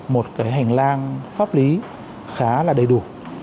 một cái hành lang pháp lý khá là đầy đủ